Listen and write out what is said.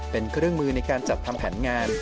เป็นเครื่องมือในการจัดทำแผนงาน